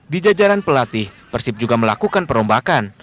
di jajaran pelatih persib juga melakukan perombakan